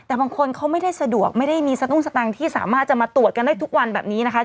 แต่บางคนเขาไม่ได้สะดวกไม่ได้มีสตุ้งสตังค์ที่สามารถจะมาตรวจกันได้ทุกวันแบบนี้นะคะ